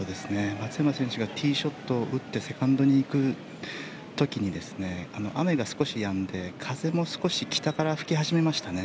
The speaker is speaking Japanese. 松山選手がティーショットを打ってセカンドに行く時に雨が少しやんで風も少し北から吹きましたね。